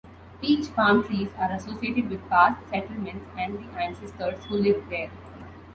Peach palm trees are associated with past settlements and the ancestors who live there.